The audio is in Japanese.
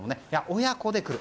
親子で来る。